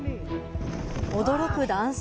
驚く男性。